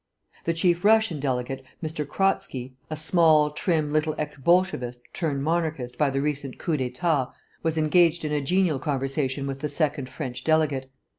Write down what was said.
The chief Russian delegate, M. Kratzky, a small, trim little ex Bolshevik, turned Monarchist by the recent coup d'état, was engaged in a genial conversation with the second French delegate.